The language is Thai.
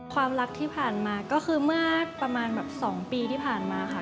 ความรักที่ผ่านมาก็คือเมื่อประมาณแบบ๒ปีที่ผ่านมาค่ะ